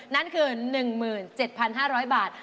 นั่นคือ๑๗๕๐๐บาท